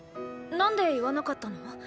何で言わなかったの？